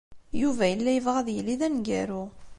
Yuba yella yebɣa ad yili d aneggaru.